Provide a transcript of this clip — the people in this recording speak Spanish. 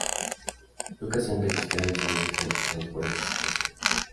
Nunca se han registrado incidentes provocados por esta situación.